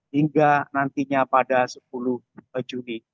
hingga nantinya pada sepuluh juni